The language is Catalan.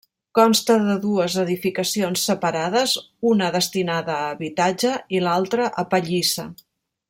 Consta de dues edificacions separades, una destinada a habitatge, i l'altra a pallissa.